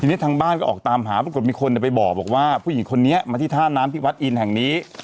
ทีนี้ทางบ้านก็ออกตามหาปรากฏมีคนไปบอกว่าผู้หญิงคนนี้มาที่ท่าน้ำที่วัดอินแห่งนี้